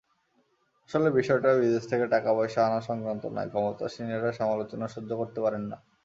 আসলে বিষয়টা বিদেশ থেকে টাকাপয়সা আনা-সংক্রান্ত নয়, ক্ষমতাসীনেরা সমালোচনা সহ্য করতে পারেন না।